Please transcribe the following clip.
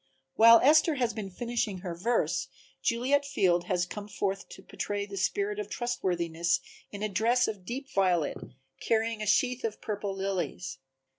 While Esther has been finishing her verse, Juliet Field has come forth to portray the spirit of Trustworthiness in a dress of deep violet, carrying a sheath of purple lilies.